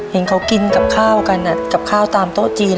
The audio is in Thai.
เห็นเขากินกับข้าวกันกับข้าวตามโต๊ะจีน